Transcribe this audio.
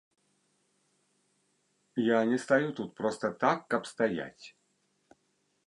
Я не стаю тут проста так, каб стаяць.